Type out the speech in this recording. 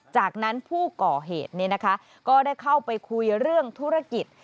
จากนั้นผู้ก่อเหตุก็ได้เข้าไปคุยเรื่องธุรกิจ